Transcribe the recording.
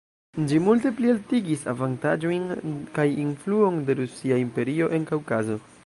Ĝi multe plialtigis avantaĝojn kaj influon de Rusia Imperio en Kaŭkazo.